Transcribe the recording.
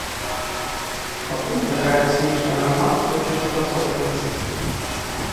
Пакуль такая касмічная гармата толькі распрацоўваецца.